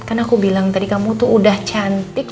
karena aku bilang tadi kamu tuh udah cantik